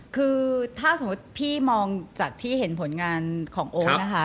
คือถ้าสมมุติพี่มองจากที่เห็นผลงานของโอ๊ตนะคะ